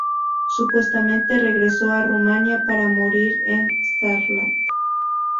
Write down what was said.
Supuestamente regresó de Rumania para morir en Sarlat.